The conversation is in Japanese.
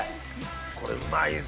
これうまいぞ！